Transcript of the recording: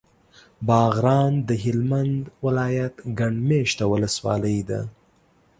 باغران د هلمند ولایت ګڼ مېشته ولسوالي ده.